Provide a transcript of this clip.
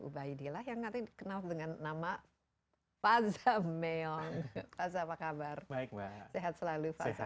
ubaidillah yang nanti dikenal dengan nama faza meong faza apa kabar baik mbak sehat selalu